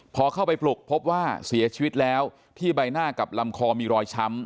พอเข้าไปปลุกพบว่าเสียชีวิตแล้วที่ใบหน้ากับลำคอมีรอยช้ำ